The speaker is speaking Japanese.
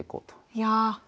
いや。